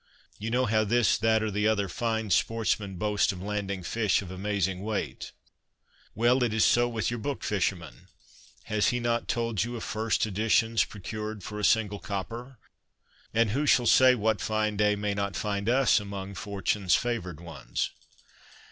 You know how this, that, or the other fine sportsman boasts of landing fish of 73 74 CONFESSIONS OF A BOOK LOVER amazing weight — well, it is so with your book fisher man. Has he not told you of first editions procured for a single copper ? And who shall say what fine day may not find us among Fortune's favoured ones